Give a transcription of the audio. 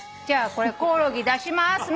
じゃあコオロギ出します。